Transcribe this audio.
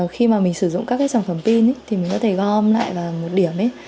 khi mà mình sử dụng các cái sản phẩm pin thì mình có thể gom lại vào một điểm